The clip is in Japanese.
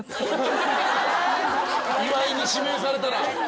岩井に指名されたら。